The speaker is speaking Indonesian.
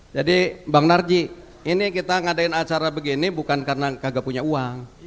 jadi bang narji ini kita ngadain acara begini bukan karena kagak punya uang